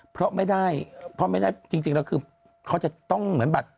เพราะไม่ได้จริงแล้วคือเขาจะต้องเหมือนแบบ